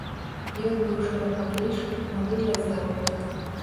Ён быў шыракаплечы, на выгляд здаровы.